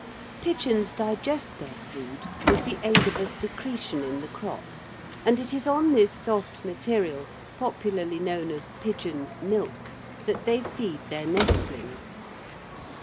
Pigeons digest their food with the aid of a secretion in the crop, and it is on this soft material, popularly known as "pigeons' milk," that they feed their nestlings.